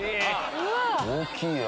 大きいよ！